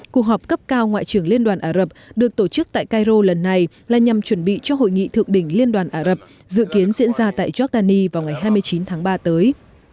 cuộc họp cấp cao ngoại trưởng liên đoàn ả rập được tổ chức tại cairo lần này là nhằm chuẩn bị cho hội nghị thượng đỉnh liên đoàn ả rập dự kiến diễn ra tại giordani vào ngày hai mươi chín tháng ba tới